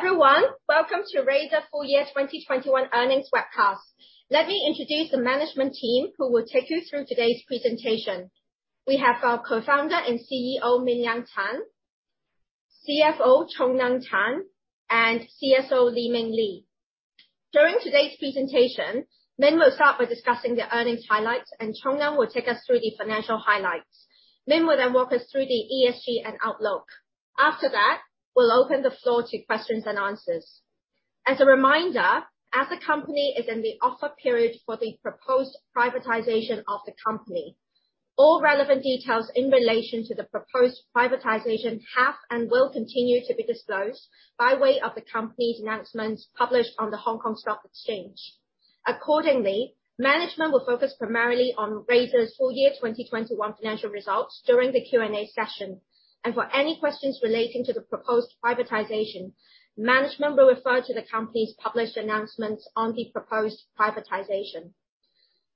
Hello, everyone. Welcome to Razer Full Year 2021 Earnings webcast. Let me introduce the management team who will take you through today's presentation. We have our co-founder and CEO, Min-Liang Tan, CFO, Tan Chong Neng, and CSO, Li Meng Lee. During today's presentation, Min will start by discussing the earnings highlights, and Chong Neng will take us through the financial highlights. Min will then walk us through the ESG and outlook. After that, we'll open the floor to questions and answers. As a reminder, as the company is in the offer period for the proposed privatization of the company, all relevant details in relation to the proposed privatization have and will continue to be disclosed by way of the company's announcements published on the Hong Kong Stock Exchange. Accordingly, management will focus primarily on Razer's full year 2021 financial results during the Q&A session. For any questions relating to the proposed privatization, management will refer to the company's published announcements on the proposed privatization.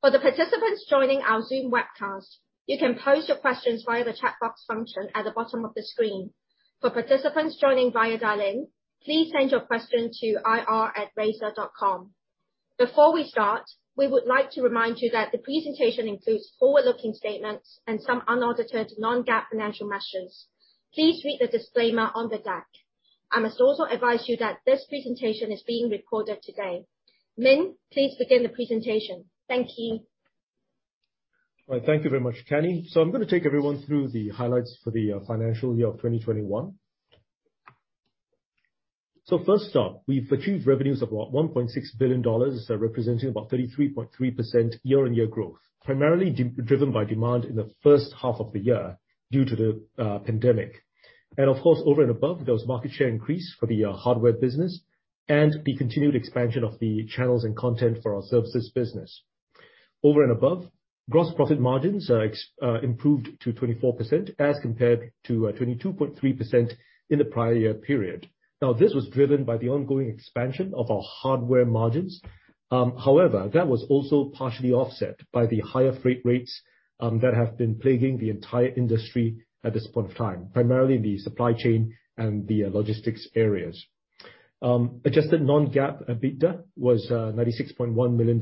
For the participants joining our Zoom webcast, you can pose your questions via the chat box function at the bottom of the screen. For participants joining via dial-in, please send your question to ir@razer.com. Before we start, we would like to remind you that the presentation includes forward-looking statements and some unaudited non-GAAP financial measures. Please read the disclaimer on the deck. I must also advise you that this presentation is being recorded today. Min, please begin the presentation. Thank you. All right. Thank you very much, Kenny. I'm gonna take everyone through the highlights for the financial year of 2021. First up, we've achieved revenues of about $1.6 billion, representing about 33.3% year-over-year growth, primarily driven by demand in the first half of the year due to the pandemic. Of course, over and above, there was market share increase for the hardware business and the continued expansion of the channels and content for our services business. Over and above, gross profit margins improved to 24% as compared to 22.3% in the prior year period. Now, this was driven by the ongoing expansion of our hardware margins. However, that was also partially offset by the higher freight rates that have been plaguing the entire industry at this point in time, primarily the supply chain and the logistics areas. Adjusted non-GAAP EBITDA was $96.1 million,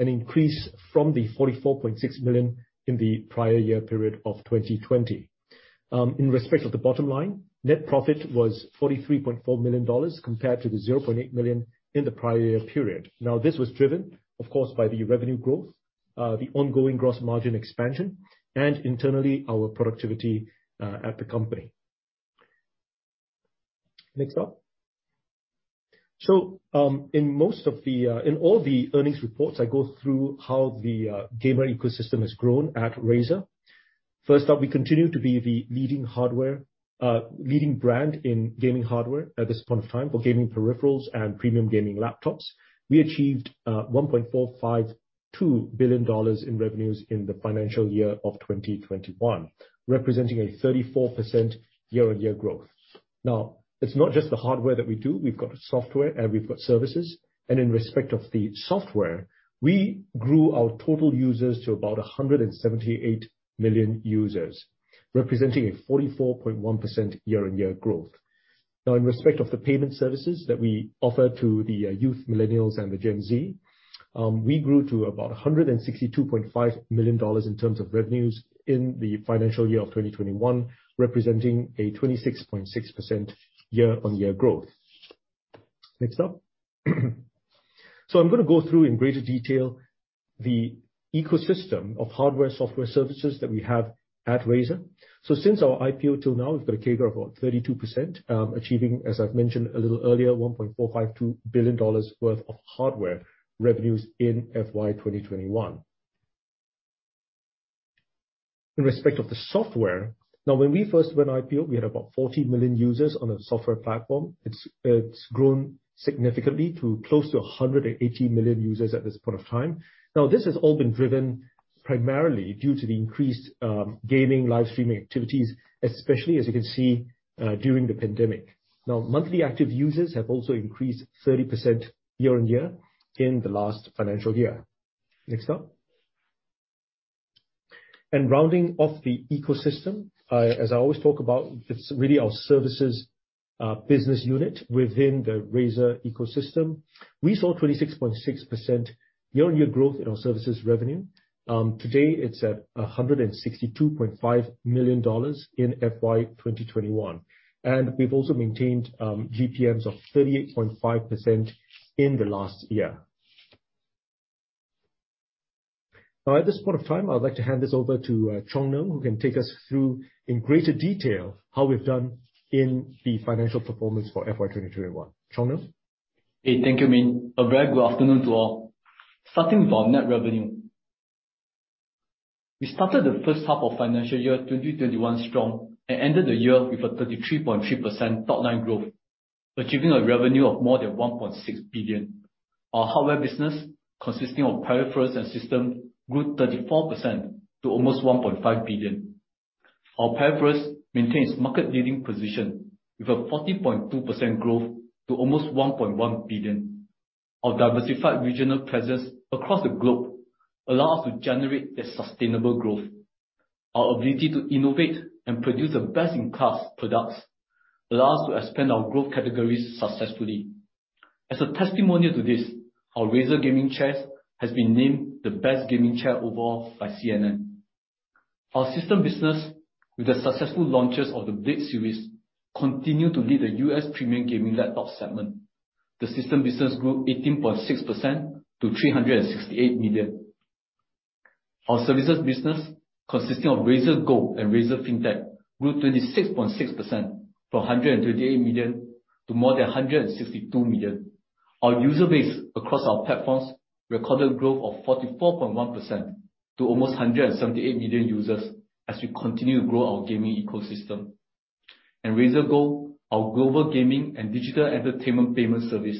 an increase from the $44.6 million in the prior year period of 2020. In respect of the bottom line, net profit was $43.4 million compared to the $0.8 million in the prior year period. Now, this was driven, of course, by the revenue growth, the ongoing gross margin expansion, and internally, our productivity at the company. Next up. In all the earnings reports, I go through how the gamer ecosystem has grown at Razer. First up, we continue to be the leading hardware, leading brand in gaming hardware at this point in time for gaming peripherals and premium gaming laptops. We achieved $1.452 billion in revenues in the financial year of 2021, representing a 34% year-over-year growth. Now, it's not just the hardware that we do. We've got software, and we've got services. In respect of the software, we grew our total users to about 178 million users, representing a 44.1% year-over-year growth. Now, in respect of the payment services that we offer to the youth, millennials, and the Gen Z, we grew to about $162.5 million in terms of revenues in the financial year of 2021, representing a 26.6% year-over-year growth. Next up. I'm gonna go through in greater detail the ecosystem of hardware, software services that we have at Razer. Since our IPO till now, we've got a CAGR of about 32%, achieving, as I've mentioned a little earlier, $1.452 billion worth of hardware revenues in FY 2021. In respect of the software, now, when we first went IPO, we had about 40 million users on a software platform. It's grown significantly to close to 180 million users at this point in time. Now, this has all been driven primarily due to the increased gaming live streaming activities, especially as you can see during the pandemic. Now, monthly active users have also increased 30% year-over-year in the last financial year. Next up. Rounding off the ecosystem, as I always talk about, it's really our services business unit within the Razer ecosystem. We saw 26.6% year-on-year growth in our services revenue. Today it's at $162.5 million in FY 2021. We've also maintained GPMs of 38.5% in the last year. Now at this point of time, I would like to hand this over to Tan Chong Neng, who can take us through in greater detail how we've done in the financial performance for FY 2021. Tan Chong Neng. Hey. Thank you, Min. A very good afternoon to all. Starting with our net revenue. We started the first half of financial year 2021 strong and ended the year with a 33.3% top-line growth, achieving a revenue of more than $1.6 billion. Our hardware business, consisting of peripherals and system, grew 34% to almost $1.5 billion. Our peripherals maintained its market leading position with a 14.2% growth to almost $1.1 billion. Our diversified regional presence across the globe allow us to generate a sustainable growth. Our ability to innovate and produce the best-in-class products allow us to expand our growth categories successfully. As a testimonial to this, our Razer gaming chairs has been named the best gaming chair overall by CNN. Our systems business with the successful launches of the Blade series continues to lead the U.S. premium gaming laptop segment. The systems business grew 18.6% to $368 million. Our services business, consisting of Razer Gold and Razer Fintech, grew 26.6% from $128 million to more than $162 million. Our user base across our platforms recorded growth of 44.1% to almost 178 million users as we continue to grow our gaming ecosystem. Razer Gold, our global gaming and digital entertainment payment service,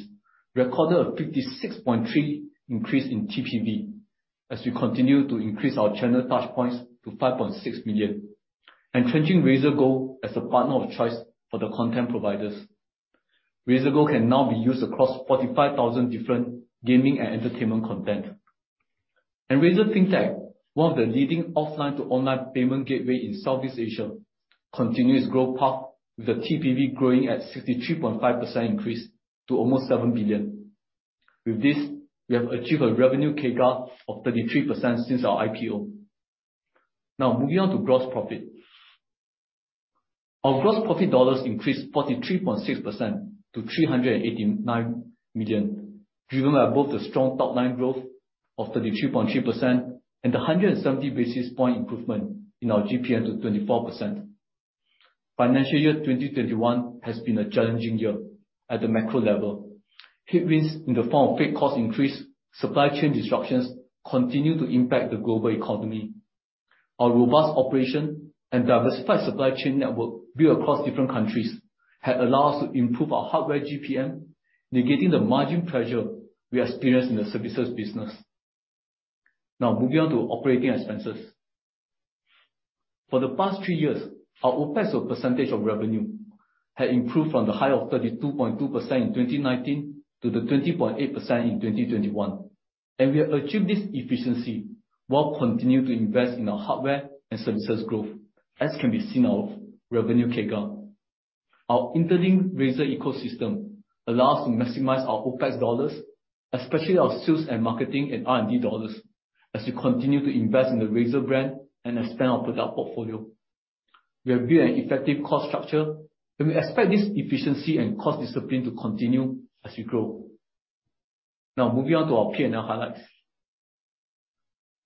recorded a 56.3% increase in TPV as we continue to increase our channel touch points to 5.6 million, entrenching Razer Gold as a partner of choice for the content providers. Razer Gold can now be used across 45,000 different gaming and entertainment content. Razer Fintech, one of the leading offline-to-online payment gateway in Southeast Asia, continues growth path with the TPV growing at 63.5% increase to almost $7 billion. With this, we have achieved a revenue CAGR of 33% since our IPO. Now moving on to gross profit. Our gross profit dollars increased 43.6% to $389 million, driven by both the strong top-line growth of 32.3% and the 170 basis point improvement in our GPM to 24%. Financial year 2021 has been a challenging year at the macro level. Headwinds in the form of freight cost increase, supply chain disruptions continue to impact the global economy. Our robust operation and diversified supply chain network built across different countries had allowed us to improve our hardware GPM, negating the margin pressure we experienced in the services business. Now moving on to operating expenses. For the past three years, our OpEx as a percentage of revenue had improved from the high of 32.2% in 2019 to the 20.8% in 2021. We have achieved this efficiency while continuing to invest in our hardware and services growth, as can be seen in our revenue CAGR. Our integrated Razer ecosystem allows us to maximize our OpEx dollars, especially our sales and marketing and R&D dollars as we continue to invest in the Razer brand and expand our product portfolio. We have built an effective cost structure, and we expect this efficiency and cost discipline to continue as we grow. Now moving on to our P&L highlights.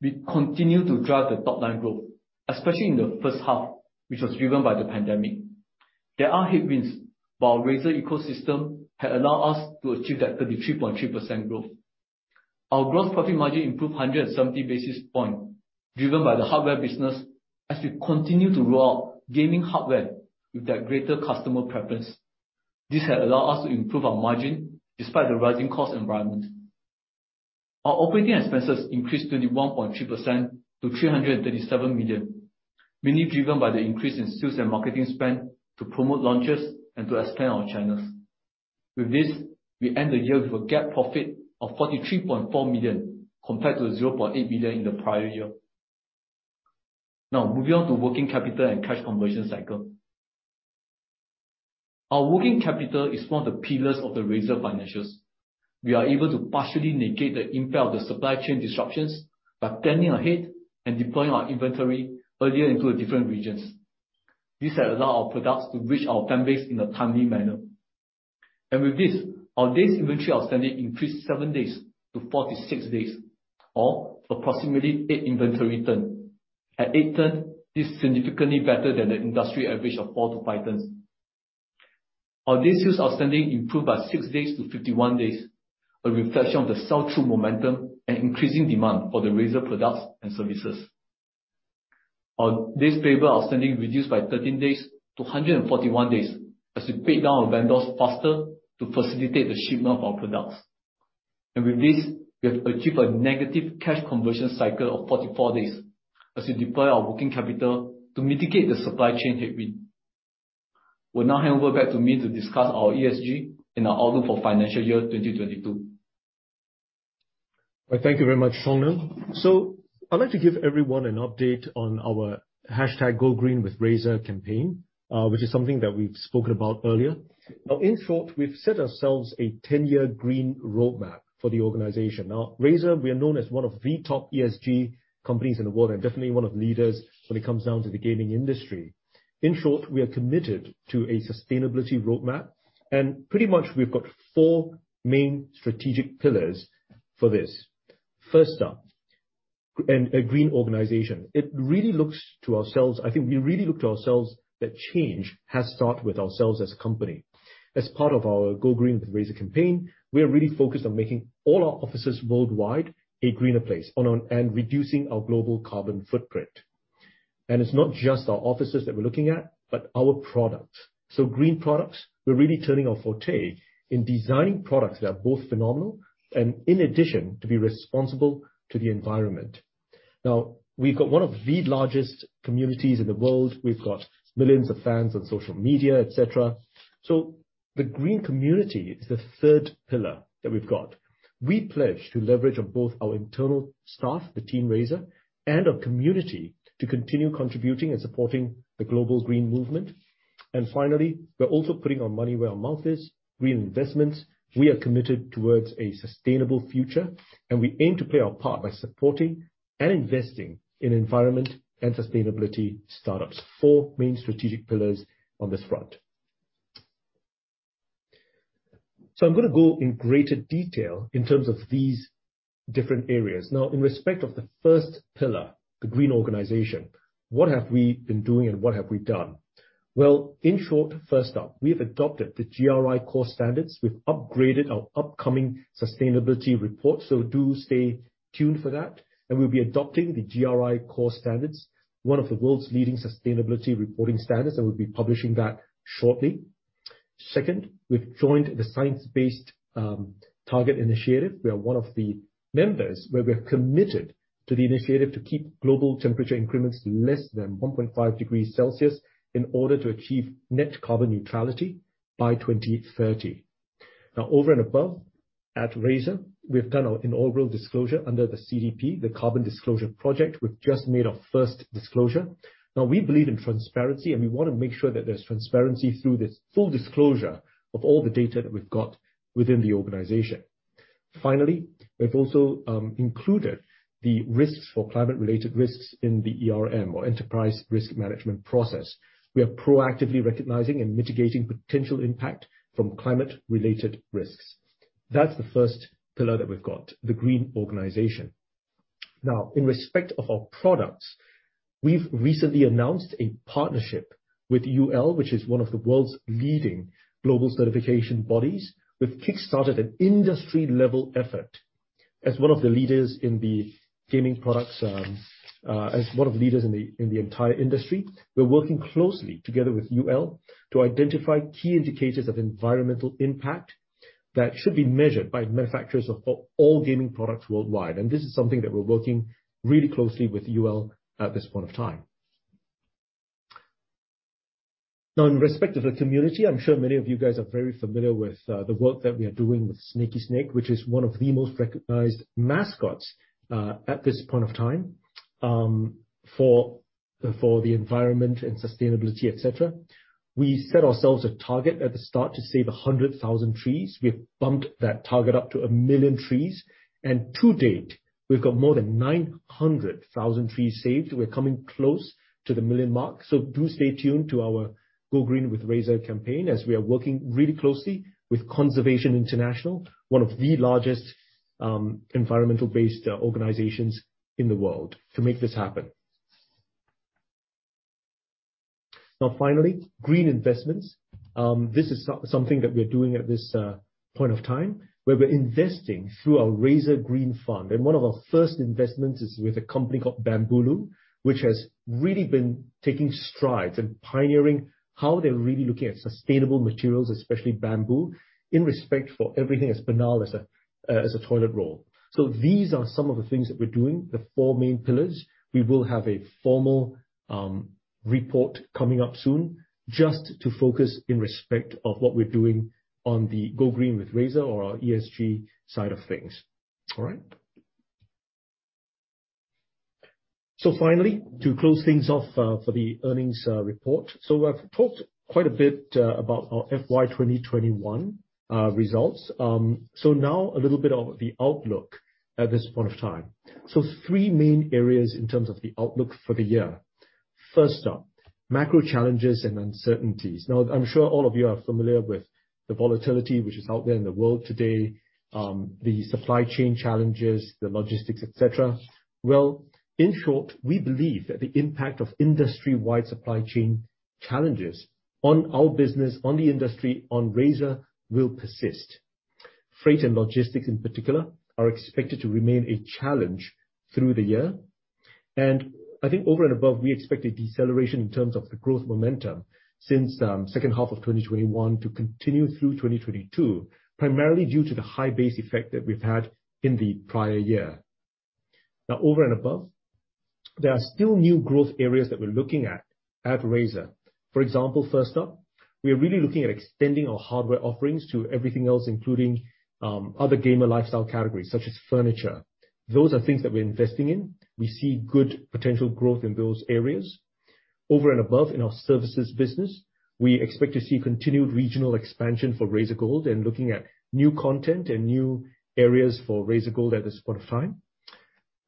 We continue to drive the top-line growth, especially in the first half, which was driven by the pandemic. There are headwinds, but our Razer ecosystem had allowed us to achieve that 33.3% growth. Our gross profit margin improved 170 basis points driven by the hardware business as we continue to roll out gaming hardware with that greater customer preference. This had allowed us to improve our margin despite the rising cost environment. Our operating expenses increased 21.3% to $337 million, mainly driven by the increase in sales and marketing spend to promote launches and to expand our channels. With this, we end the year with a GAAP profit of $43.4 million compared to $0.8 million in the prior year. Now moving on to working capital and cash conversion cycle. Our working capital is one of the pillars of the Razer financials. We are able to partially negate the impact of the supply chain disruptions by planning ahead and deploying our inventory earlier into the different regions. This had allowed our products to reach our fan base in a timely manner. With this, our days inventory outstanding increased seven days to 46 days or approximately eight inventory turns. At eight turns, this is significantly better than the industry average of 4-5 turns. Our days sales outstanding improved by six days to 51 days, a reflection of the sell-through momentum and increasing demand for the Razer products and services. Our days payable outstanding reduced by 13 days to 141 days as we paid down our vendors faster to facilitate the shipment of our products. With this, we have achieved a negative cash conversion cycle of 44 days as we deploy our working capital to mitigate the supply chain headwind. We'll now hand over back to me to discuss our ESG and our outlook for financial year 2022. Well, thank you very much, Chong Neng Tan. I'd like to give everyone an update on our hashtag Go Green with Razer campaign, which is something that we've spoken about earlier. Now, in short, we've set ourselves a 10-year green roadmap for the organization. Now, Razer, we are known as one of the top ESG companies in the world and definitely one of the leaders when it comes down to the gaming industry. In short, we are committed to a sustainability roadmap, and pretty much we've got four main strategic pillars for this. First up, a green organization. It really looks to ourselves. I think we really look to ourselves that change has to start with ourselves as a company. As part of our Go Green with Razer campaign, we are really focused on making all our offices worldwide a greener place and reducing our global carbon footprint. It's not just our offices that we're looking at, but our products. Green products, we're really turning our forte in designing products that are both phenomenal and, in addition, to be responsible to the environment. Now, we've got one of the largest communities in the world. We've got millions of fans on social media, et cetera. The green community is the third pillar that we've got. We pledge to leverage on both our internal staff, the Team Razer, and our community to continue contributing and supporting the global green movement. Finally, we're also putting our money where our mouth is, green investments. We are committed towards a sustainable future, and we aim to play our part by supporting and investing in environment and sustainability startups. Four main strategic pillars on this front. I'm gonna go in greater detail in terms of these different areas. Now, in respect of the first pillar, the green organization, what have we been doing and what have we done? Well, in short, first up, we have adopted the GRI core standards. We've upgraded our upcoming sustainability report, so do stay tuned for that. We'll be adopting the GRI core standards, one of the world's leading sustainability reporting standards, and we'll be publishing that shortly. Second, we've joined the Science Based Targets initiative. We are one of the members where we are committed to the initiative to keep global temperature increments less than 1.5 degrees Celsius in order to achieve net carbon neutrality by 2030. Now, over and above, at Razer, we've done our inaugural disclosure under the CDP, the Carbon Disclosure Project. We've just made our first disclosure. Now, we believe in transparency, and we wanna make sure that there's transparency through this full disclosure of all the data that we've got within the organization. Finally, we've also included the risks for climate-related risks in the ERM, or enterprise risk management process. We are proactively recognizing and mitigating potential impact from climate-related risks. That's the first pillar that we've got, the green organization. Now, in respect of our products, we've recently announced a partnership with UL, which is one of the world's leading global certification bodies. We've kickstarted an industry-level effort. As one of the leaders in the entire industry, we're working closely together with UL to identify key indicators of environmental impact that should be measured by manufacturers of all gaming products worldwide. This is something that we're working really closely with UL at this point of time. Now, in respect of the community, I'm sure many of you guys are very familiar with the work that we are doing with Sneki Snek, which is one of the most recognized mascots at this point of time for the environment and sustainability, et cetera. We set ourselves a target at the start to save 100,000 trees. We've bumped that target up to 1 million trees, and to date, we've got more than 900,000 trees saved. We're coming close to the 1 million mark. Do stay tuned to our Go Green with Razer campaign, as we are working really closely with Conservation International, one of the largest environmental-based organizations in the world, to make this happen. Now finally, green investments. This is something that we're doing at this point of time, where we're investing through our Razer Green Fund. One of our first investments is with a company called Bambooloo, which has really been taking strides and pioneering how they're really looking at sustainable materials, especially bamboo, in respect for everything as banal as a toilet roll. These are some of the things that we're doing, the four main pillars. We will have a formal report coming up soon just to focus in respect of what we're doing on the Go Green with Razer or our ESG side of things. All right? Finally, to close things off for the earnings report. I've talked quite a bit about our FY 2021 results. Now a little bit of the outlook at this point of time. Three main areas in terms of the outlook for the year. First up, macro challenges and uncertainties. Now, I'm sure all of you are familiar with the volatility which is out there in the world today, the supply chain challenges, the logistics, et cetera. Well, in short, we believe that the impact of industry-wide supply chain challenges on our business, on the industry, on Razer, will persist. Freight and logistics in particular are expected to remain a challenge through the year. I think over and above, we expect a deceleration in terms of the growth momentum since second half of 2021 to continue through 2022, primarily due to the high base effect that we've had in the prior year. Now, over and above, there are still new growth areas that we're looking at Razer. For example, first up, we're really looking at extending our hardware offerings to everything else, including other gamer lifestyle categories such as furniture. Those are things that we're investing in. We see good potential growth in those areas. Over and above, in our services business, we expect to see continued regional expansion for Razer Gold and looking at new content and new areas for Razer Gold at this point of time.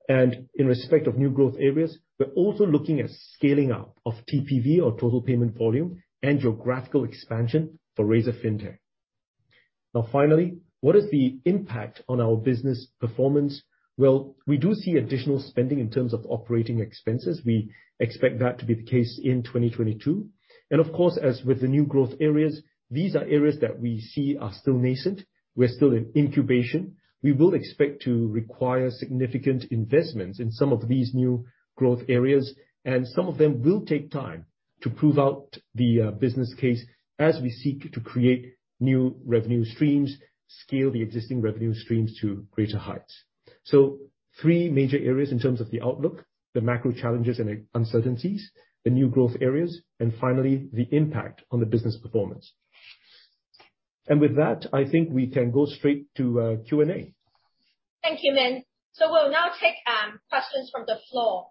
In respect of new growth areas, we're also looking at scaling up of TPV, or total payment volume, and geographical expansion for Razer Fintech. Now finally, what is the impact on our business performance? Well, we do see additional spending in terms of operating expenses. We expect that to be the case in 2022. Of course, as with the new growth areas, these are areas that we see are still nascent. We're still in incubation. We will expect to require significant investments in some of these new growth areas, and some of them will take time to prove out the business case as we seek to create new revenue streams, scale the existing revenue streams to greater heights. Three major areas in terms of the outlook, the macro challenges and uncertainties, the new growth areas, and finally, the impact on the business performance. With that, I think we can go straight to Q&A. Thank you, Min. We'll now take questions from the floor.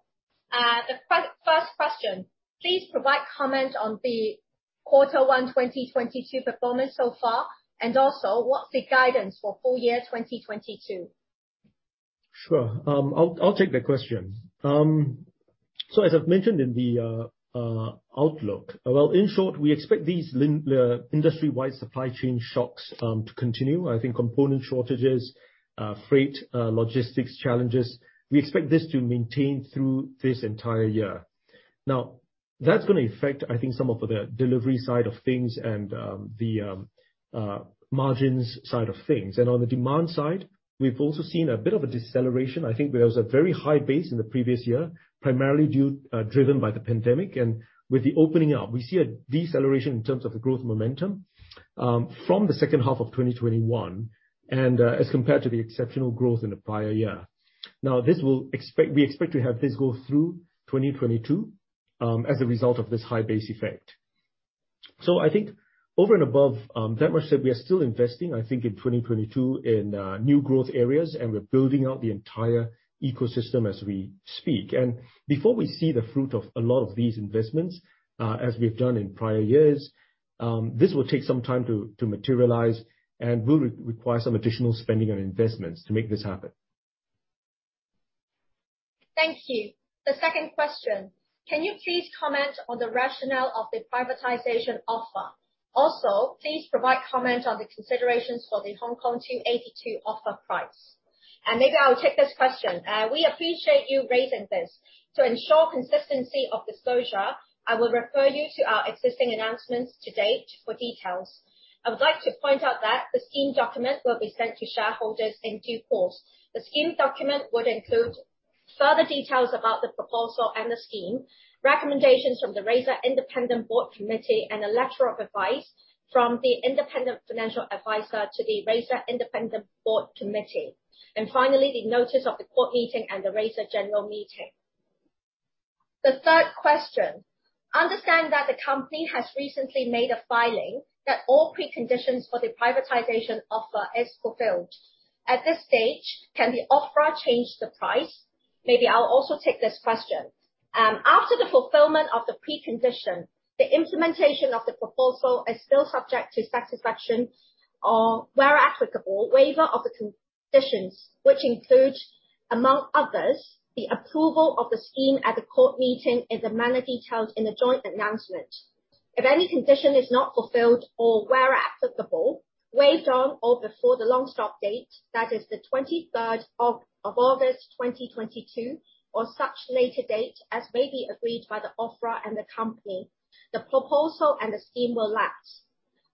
The first question, please provide comment on the quarter 1 2022 performance so far, and also what's the guidance for full year 2022? Sure. I'll take the question. So as I've mentioned in the outlook, well, in short, we expect these industry-wide supply chain shocks to continue. I think component shortages, freight, logistics challenges, we expect this to maintain through this entire year. Now, that's gonna affect, I think, some of the delivery side of things and the margins side of things. On the demand side, we've also seen a bit of a deceleration. I think there was a very high base in the previous year, primarily due, driven by the pandemic. With the opening up, we see a deceleration in terms of the growth momentum from the second half of 2021 and as compared to the exceptional growth in the prior year. Now, this will expect. We expect to have this go through 2022, as a result of this high base effect. I think over and above that much that we are still investing, I think in 2022, in new growth areas, and we're building out the entire ecosystem as we speak. Before we see the fruit of a lot of these investments, as we've done in prior years, this will take some time to materialize and will require some additional spending on investments to make this happen. Thank you. The second question, can you please comment on the rationale of the privatization offer? Also, please provide comment on the considerations for the Hong Kong 2.82 offer price. Maybe I'll take this question. We appreciate you raising this. To ensure consistency of disclosure, I will refer you to our existing announcements to date for details. I would like to point out that the scheme document will be sent to shareholders in due course. The scheme document would include further details about the proposal and the scheme, recommendations from the Razer independent board committee, and a letter of advice from the independent financial advisor to the Razer independent board committee. Finally, the notice of the board meeting and the Razer general meeting. The third question, I understand that the company has recently made a filing that all preconditions for the privatization offer is fulfilled. At this stage, can the offeror change the price? Maybe I'll also take this question. After the fulfillment of the precondition, the implementation of the proposal is still subject to satisfaction or where applicable, waiver of the conditions which include, among others, the approval of the scheme at the court meeting as a matter detailed in the joint announcement. If any condition is not fulfilled or where applicable, waived on or before the long stop date, that is the 23rd of August 2022, or such later date as may be agreed by the offeror and the company, the proposal and the scheme will lapse.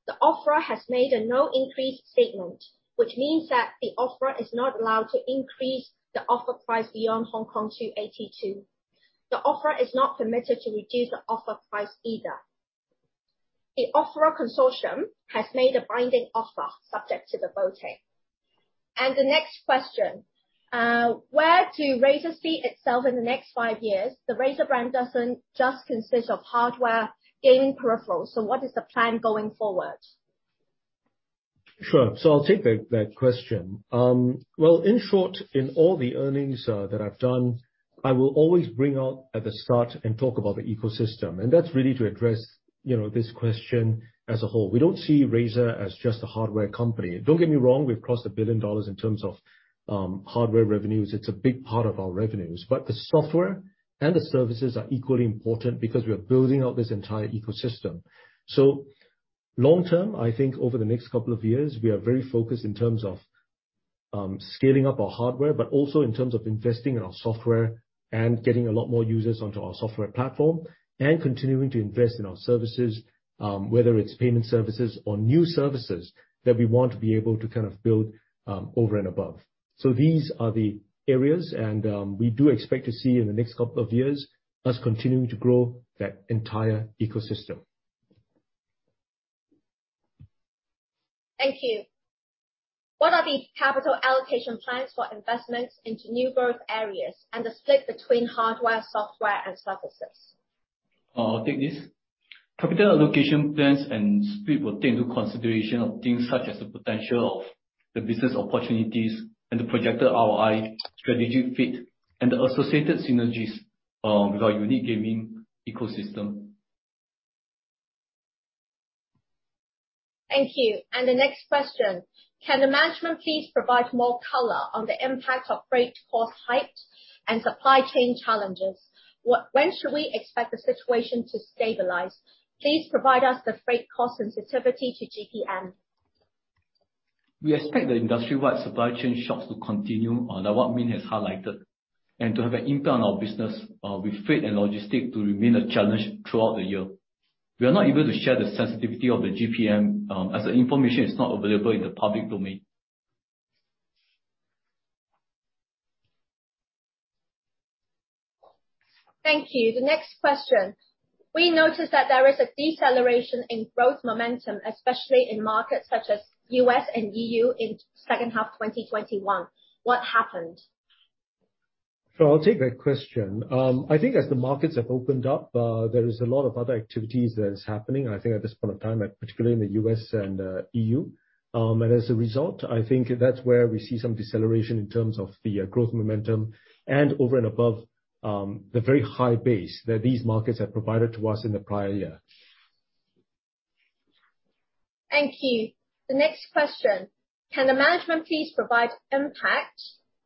The offeror has made a no increase statement, which means that the offeror is not allowed to increase the offer price beyond 2.82. The offeror is not permitted to reduce the offer price either. The offerer consortium has made a binding offer subject to the voting. The next question, where do Razer see itself in the next five years? The Razer brand doesn't just consist of hardware gaming peripherals, so what is the plan going forward? Sure. I'll take that question. Well, in short, in all the earnings that I've done, I will always bring out at the start and talk about the ecosystem. That's really to address, you know, this question as a whole. We don't see Razer as just a hardware company. Don't get me wrong, we've crossed $1 billion in terms of hardware revenues. It's a big part of our revenues. The software and the services are equally important because we are building out this entire ecosystem. Long term, I think over the next couple of years, we are very focused in terms of, scaling up our hardware, but also in terms of investing in our software and getting a lot more users onto our software platform, and continuing to invest in our services, whether it's payment services or new services that we want to be able to kind of build, over and above. These are the areas, and, we do expect to see in the next couple of years us continuing to grow that entire ecosystem. Thank you. What are the capital allocation plans for investments into new growth areas and the split between hardware, software, and services? I'll take this. Capital allocation plans and split will take into consideration of things such as the potential of the business opportunities and the projected ROI strategic fit and the associated synergies with our unique gaming ecosystem. Thank you. The next question, can the management please provide more color on the impact of freight cost hikes and supply chain challenges? When should we expect the situation to stabilize? Please provide us the freight cost sensitivity to GPM. We expect the industry-wide supply chain shocks to continue, like what Min has highlighted, and to have an impact on our business, with freight and logistics to remain a challenge throughout the year. We are not able to share the sensitivity of the GPM, as the information is not available in the public domain. Thank you. The next question. We noticed that there is a deceleration in growth momentum, especially in markets such as U.S. and EU in second half 2021. What happened? Sure. I'll take that question. I think as the markets have opened up, there is a lot of other activities that is happening, I think at this point in time, particularly in the U.S. and, EU. As a result, I think that's where we see some deceleration in terms of the, growth momentum and over and above, the very high base that these markets have provided to us in the prior year. Thank you. The next question. Can the management please provide impact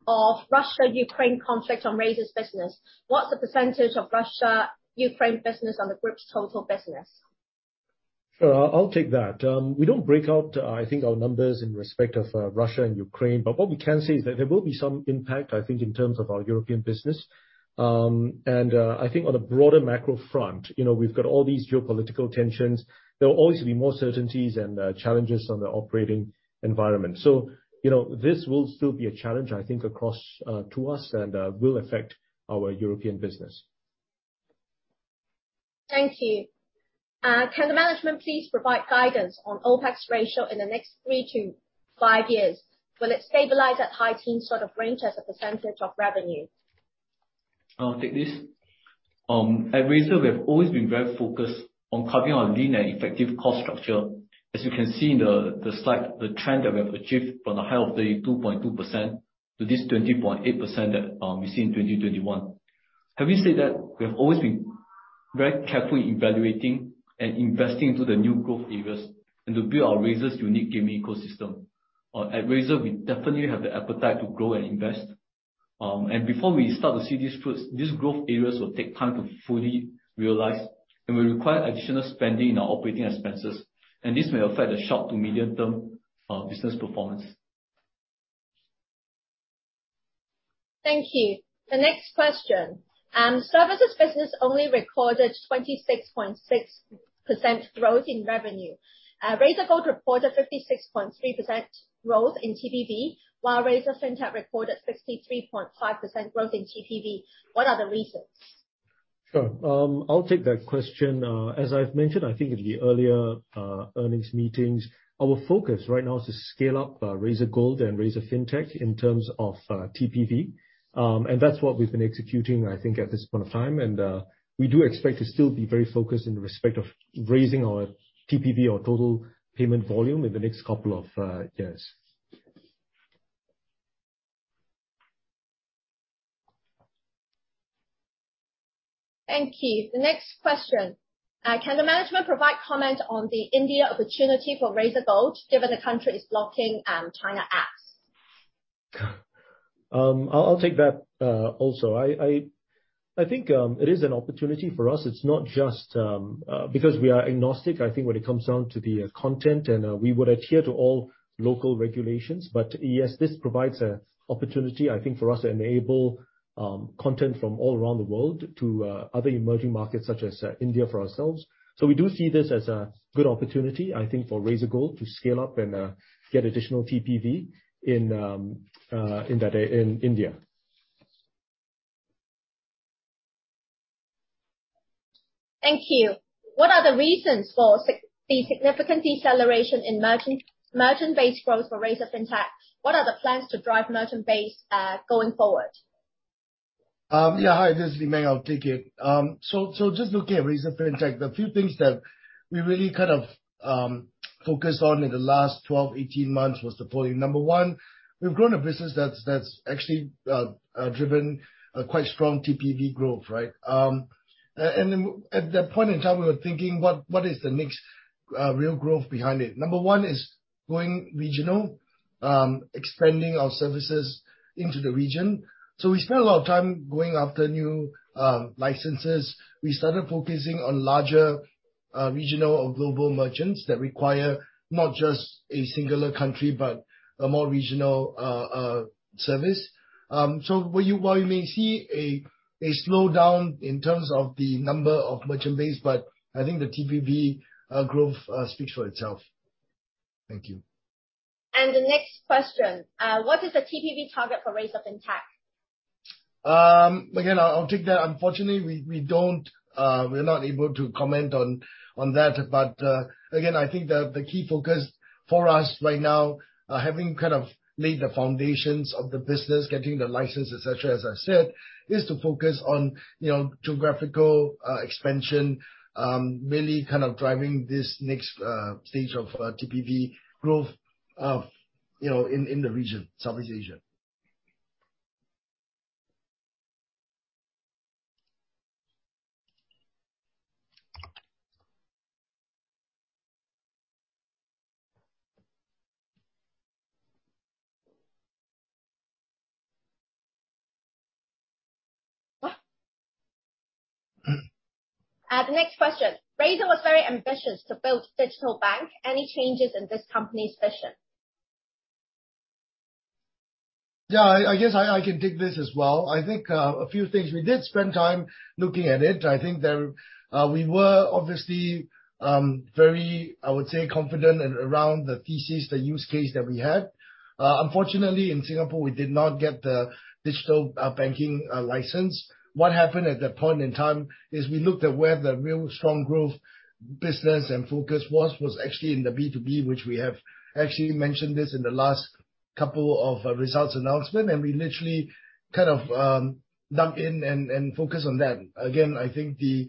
of Russia-Ukraine conflict on Razer's business? What's the percentage of Russia-Ukraine business on the group's total business? Sure. I'll take that. We don't break out, I think our numbers in respect of Russia and Ukraine, but what we can say is that there will be some impact, I think, in terms of our European business. I think on a broader macro front, you know, we've got all these geopolitical tensions. There will always be more uncertainties and challenges in the operating environment. You know, this will still be a challenge, I think, across to us and will affect our European business. Thank you. Can the management please provide guidance on OpEx ratio in the next 3-5 years? Will it stabilize at high-teens sort of range as a percentage of revenue? I'll take this. At Razer we have always been very focused on carving our lean and effective cost structure. As you can see in the slide, the trend that we have achieved from the high of 32.2% to this 20.8% that we see in 2021. Having said that, we have always been very carefully evaluating and investing into the new growth areas and to build our Razer's unique gaming ecosystem. At Razer, we definitely have the appetite to grow and invest. Before we start to see these fruits, these growth areas will take time to fully realize and will require additional spending in our operating expenses, and this may affect the short to medium term business performance. Thank you. The next question. Services business only recorded 26.6% growth in revenue. Razer Gold reported 56.3% growth in TPV, while Razer Fintech reported 63.5% growth in TPV. What are the reasons? Sure. I'll take that question. As I've mentioned, I think in the earlier earnings meetings, our focus right now is to scale up Razer Gold and Razer Fintech in terms of TPV. That's what we've been executing, I think, at this point in time. We do expect to still be very focused in respect of raising our TPV or total payment volume in the next couple of years. Thank you. The next question. Can the management provide comment on the India opportunity for Razer Gold, given the country is blocking China apps? I'll take that also. I think it is an opportunity for us. It's not just because we are agnostic. I think when it comes down to the content, and we would adhere to all local regulations. Yes, this provides an opportunity, I think, for us to enable content from all around the world to other emerging markets such as India for ourselves. We do see this as a good opportunity, I think, for Razer Gold to scale up and get additional TPV in India. Thank you. What are the reasons for the significant deceleration in merchant-based growth for Razer Fintech? What are the plans to drive merchant-based going forward? Hi, this is Li Meng Lee. I'll take it. Just looking at Fiuu, a few things that we really kind of focused on in the last 12, 18 months was the volume. Number one, we've grown a business that's actually driven a quite strong TPV growth, right? And at that point in time, we were thinking, what is the next real growth behind it? Number one is going regional. Expanding our services into the region. We spent a lot of time going after new licenses. We started focusing on larger regional or global merchants that require not just a singular country but a more regional service. While you may see a slowdown in terms of the number of merchant base, but I think the TPV growth speaks for itself. Thank you. The next question. What is the TPV target for Razer Fintech? Again, I'll take that. Unfortunately, we're not able to comment on that. Again, I think the key focus for us right now, having kind of laid the foundations of the business, getting the license, et cetera, as I said, is to focus on, you know, geographical expansion, really kind of driving this next stage of TPV growth, you know, in the region, Southeast Asia. The next question. Razer was very ambitious to build digital bank. Any changes in this company's vision? Yeah, I guess I can take this as well. I think a few things. We did spend time looking at it. I think we were obviously very, I would say, confident in around the thesis, the use case that we had. Unfortunately, in Singapore, we did not get the digital banking license. What happened at that point in time is we looked at where the real strong growth business and focus was actually in the B2B, which we have actually mentioned this in the last couple of results announcement. We literally kind of dug in and focused on that. Again, I think the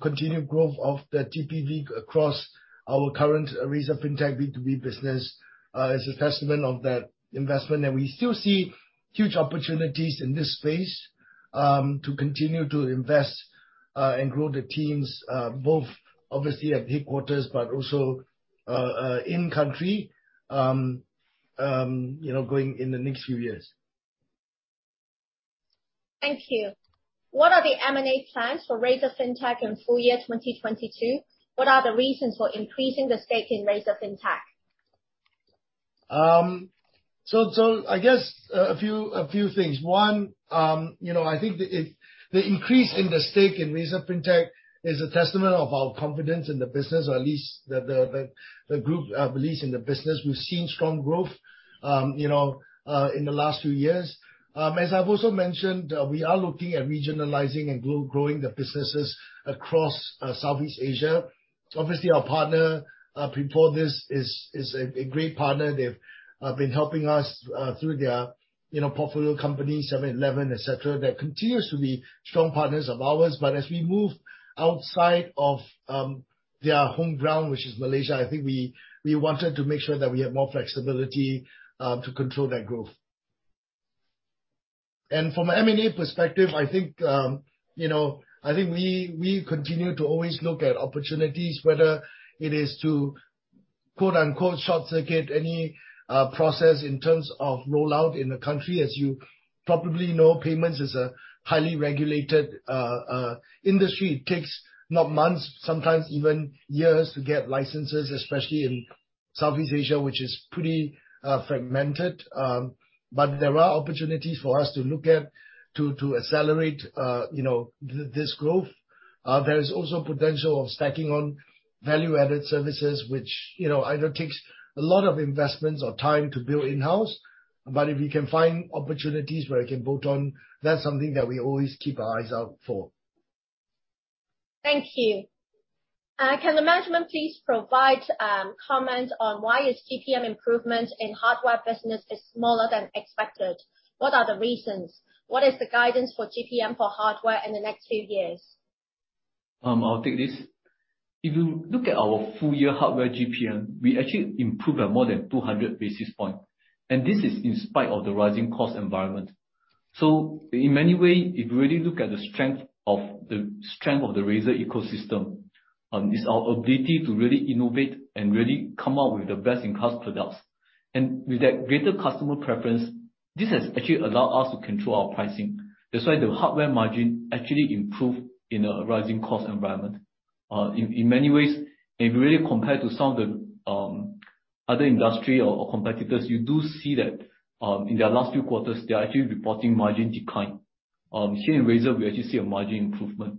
continued growth of the TPV across our current Razer Fintech B2B business is a testament of that investment. We still see huge opportunities in this space, to continue to invest and grow the teams, both obviously at the headquarters, but also in country, you know, going in the next few years. Thank you. What are the M&A plans for Razer Fintech in full year 2022? What are the reasons for increasing the stake in Razer Fintech? I guess a few things. One, you know, I think the increase in the stake in Razer Fintech is a testament of our confidence in the business, or at least the group belief in the business. We've seen strong growth, you know, in the last few years. As I've also mentioned, we are looking at regionalizing and growing the businesses across Southeast Asia. Obviously, our partner before this is a great partner. They've been helping us through their, you know, portfolio company, 7-Eleven, et cetera, that continues to be strong partners of ours. As we move outside of their home ground, which is Malaysia, I think we wanted to make sure that we have more flexibility to control that growth. From an M&A perspective, I think, you know, I think we continue to always look at opportunities, whether it is to quote-unquote short-circuit any process in terms of rollout in the country. As you probably know, payments is a highly regulated industry. It takes not months, sometimes even years to get licenses, especially in Southeast Asia, which is pretty fragmented. But there are opportunities for us to look at to accelerate, you know, this growth. There is also potential of stacking on value-added services which, you know, either takes a lot of investments or time to build in-house. If we can find opportunities where we can build on, that's something that we always keep our eyes out for. Thank you. Can the management please provide comment on why is GPM improvement in hardware business is smaller than expected? What are the reasons? What is the guidance for GPM for hardware in the next two years? I'll take this. If you look at our full year hardware GPM, we actually improved by more than 200 basis points, and this is in spite of the rising cost environment. In many ways, if you really look at the strength of the Razer ecosystem, is our ability to really innovate and really come up with the best-in-class products. With that greater customer preference, this has actually allowed us to control our pricing. That's why the hardware margin actually improved in a rising cost environment. In many ways, if you really compare to some of the other industry or competitors, you do see that in their last few quarters, they are actually reporting margin decline. Here in Razer, we actually see a margin improvement.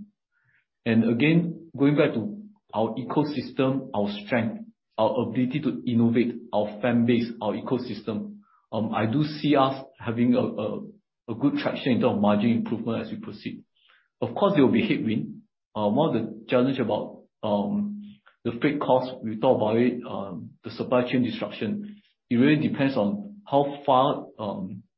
Again, going back to our ecosystem, our strength, our ability to innovate, our fan base, our ecosystem, I do see us having a good traction in terms of margin improvement as we proceed. Of course, there will be headwind. One of the challenge about the freight cost, we thought about it, the supply chain disruption. It really depends on how far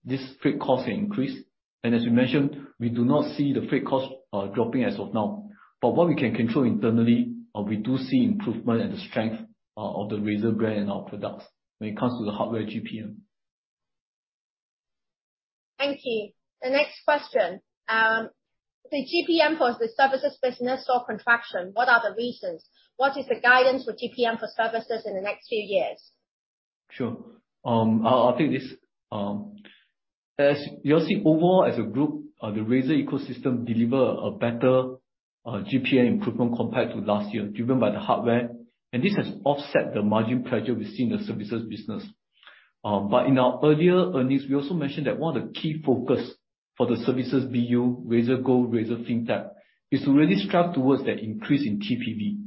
this freight costs increase. As we mentioned, we do not see the freight costs dropping as of now. But what we can control internally, we do see improvement and the strength of the Razer brand and our products when it comes to the hardware GPM. Thank you. The next question. The GPM for the services business saw contraction. What are the reasons? What is the guidance for GPM for services in the next two years? Sure. I'll take this. As you'll see overall as a group, the Razer ecosystem deliver a better GPM improvement compared to last year, driven by the hardware, and this has offset the margin pressure we see in the services business. In our earlier earnings, we also mentioned that one of the key focus for the services BU, Razer Gold, Razer Fintech, is to really strive towards that increase in TPV.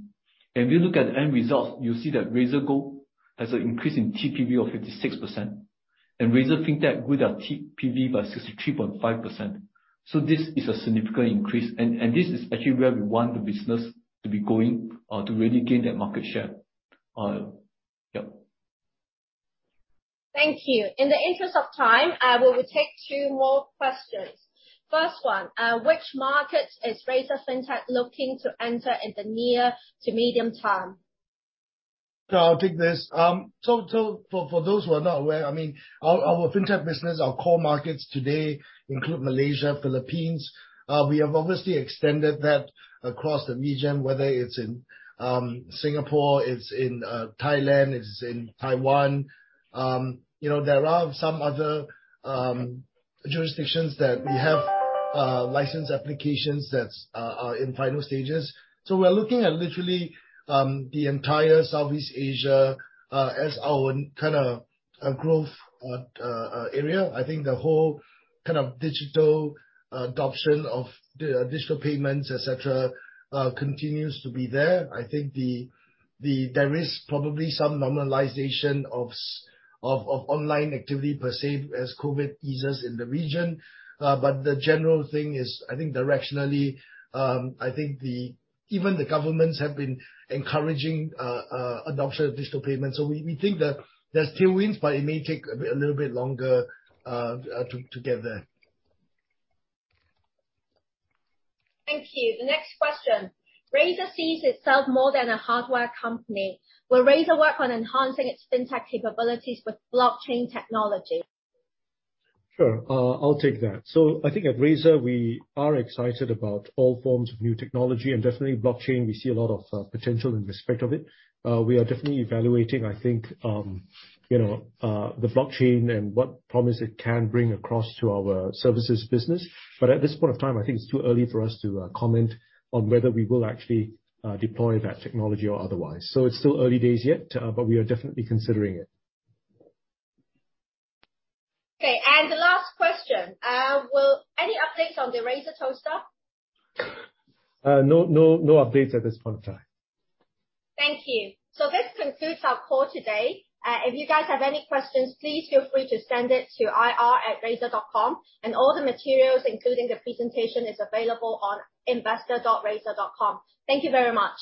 If you look at the end results, you'll see that Razer Gold has an increase in TPV of 56%. Razer Fintech grew their TPV by 63.5%. This is a significant increase. This is actually where we want the business to be going, to really gain that market share. Yep. Thank you. In the interest of time, we will take two more questions. First one, which market is Razer Fintech looking to enter in the near to medium term? I'll take this. For those who are not aware, I mean, our Fintech business, our core markets today include Malaysia, Philippines. We have obviously extended that across the region, whether it's in Singapore, it's in Thailand, it's in Taiwan. You know, there are some other jurisdictions that we have license applications that are in final stages. We're looking at literally the entire Southeast Asia as our kind of a growth area. I think the whole kind of digital adoption of the digital payments, et cetera continues to be there. I think there is probably some normalization of online activity per se as COVID eases in the region. But the general thing is, I think directionally the even the governments have been encouraging adoption of digital payments. We think that there's still wins, but it may take a bit, a little bit longer to get there. Thank you. The next question. Razer sees itself more than a hardware company. Will Razer work on enhancing its fintech capabilities with blockchain technology? Sure. I'll take that. I think at Razer, we are excited about all forms of new technology, and definitely blockchain, we see a lot of potential in respect of it. We are definitely evaluating, I think, you know, the blockchain and what promise it can bring across to our services business. At this point of time, I think it's too early for us to comment on whether we will actually deploy that technology or otherwise. It's still early days yet, but we are definitely considering it. Okay, the last question. Well, any updates on the Razer toaster? No updates at this point in time. Thank you. This concludes our call today. If you guys have any questions, please feel free to send it to ir@razer.com, and all the materials, including the presentation, is available on investor.razer.com. Thank you very much.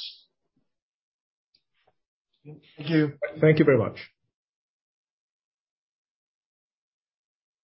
Thank you. Thank you very much.